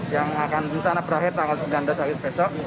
yang akan rencana berakhir tanggal sembilan belas agustus besok